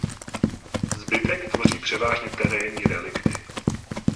Zbytek tvoří převážně terénní relikty.